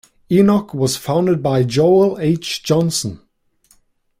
Enoch was founded by Joel H. Johnson.